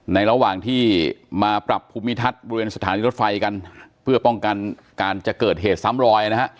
ระหว่างที่มาปรับภูมิทัศน์บริเวณสถานีรถไฟกันเพื่อป้องกันการจะเกิดเหตุซ้ำรอยนะฮะ